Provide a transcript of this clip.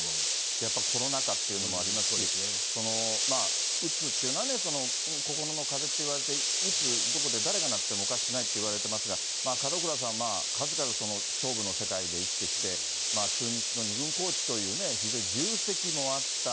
やっぱりコロナ禍ということもありますし、うつというのは心のかぜといわれて、いつ、どこで、誰がなってもおかしくないといわれてますが、門倉さん、数々勝負の世界で生きてきて、中日の２軍コーチという非常に重責もあった。